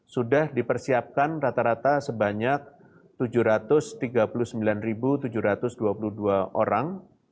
sudah dipersiapkan rata rata sebanyak tujuh ratus tiga puluh sembilan tujuh ratus dua puluh dua orang